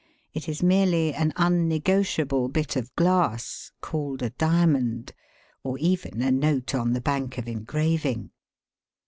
It is merely an unnegotiable bit of glass (called a diamond), or even a note on the Bank of Engraving.